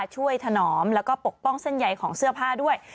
ถนอมแล้วก็ปกป้องเส้นใยของเสื้อผ้าด้วย